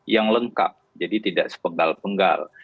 yang lengkap jadi tidak sepegal penggal